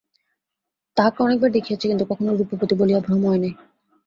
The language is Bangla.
তাহাকে অনেকবার দেখিয়াছি, কিন্তু কখনো রূপবতী বলিয়া ভ্রম হয় নাই।